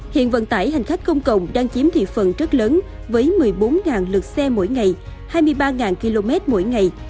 hiện vận tải hành khách công cộng đang chiếm thị phần rất lớn với một mươi bốn lượt xe mỗi ngày hai mươi ba km mỗi ngày